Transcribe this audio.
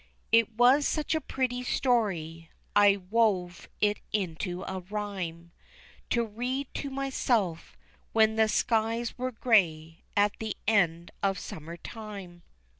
It was such a pretty story I wove it into a rhyme To read to myself, when the skies were grey, at the end of summertime.